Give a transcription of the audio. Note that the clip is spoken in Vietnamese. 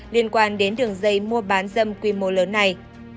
liên quan đến đường dây mua bán dâm quy mô lớn này